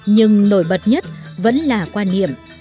nhưng nổi bật nhất vẫn là quan niệm